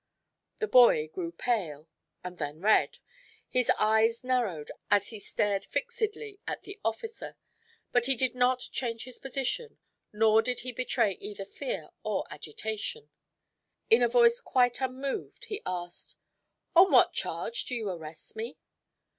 The boy grew pale and then red. His eyes narrowed as he stared fixedly at the officer. But he did not change his position, nor did he betray either fear or agitation. In a voice quite unmoved he asked: "On what charge do you arrest me?"